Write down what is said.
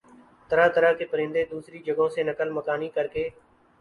طرح طرح کے پرندے دوسری جگہوں سے نقل مکانی کرکے